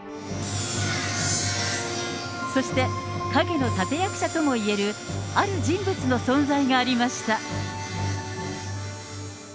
そして、陰の立て役者ともいえる、ある人物の存在がありました。